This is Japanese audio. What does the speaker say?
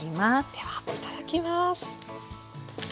ではいただきます。